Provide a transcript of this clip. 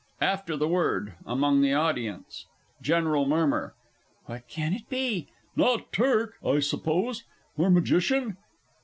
AFTER THE WORD. AMONG THE AUDIENCE. GENERAL MURMUR. What can it be? Not Turk, I suppose, or Magician?